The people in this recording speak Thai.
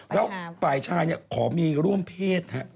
แล้วฝ่ายชายขอมีร่วมเพศ